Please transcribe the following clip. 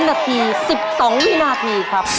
นาที๑๒วินาทีครับ